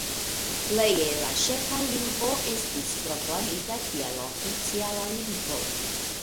Pleje la ĉeĥa lingvo estis proklamita kiel oficiala lingvo.